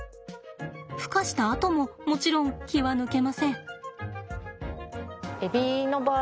ふ化したあとももちろん気は抜けません。